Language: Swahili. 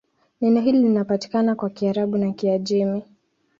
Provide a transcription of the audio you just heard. Neno hili linapatikana kwa Kiarabu na Kiajemi.